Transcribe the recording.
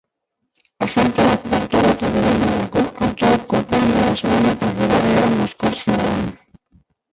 Agenteak bertaratu direnerako, autoak kolpe handia zuen eta gidaria mozkor zegoen.